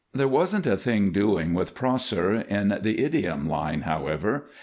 There wasn't a thing doing with Prosser in the idiom line, however.